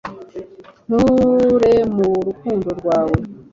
nture mu rukundo rwawe